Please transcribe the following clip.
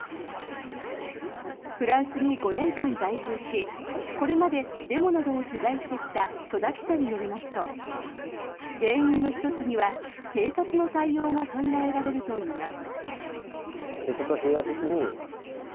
フランスに５年間在住しこれまでデモなどを取材してきた所田記者によりますと原因の１つには警察の対応が考えられるといいます。